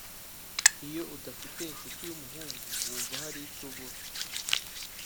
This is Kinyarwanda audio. iyo udafite incuti y umuhungu wumva hari icyo ubura